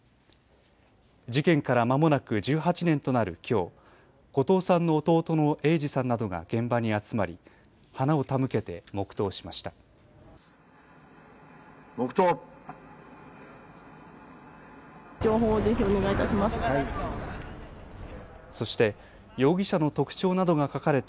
事件から間もなく１８年となるきょう後藤さんの弟の英二さんなどが現場に集まり花を手向けて黙とうしました。